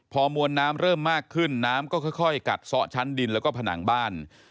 พอมวลน้ำเริ่มมากขึ้นน้ำก็ค่อยกัดซ่อชั้นดินแล้วก็ผนังบ้าน